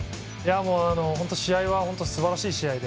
本当、試合はすばらしい試合で。